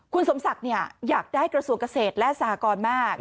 คุณสมศักดิ์อยากได้กระทรวงเกษตรและสหกรมาก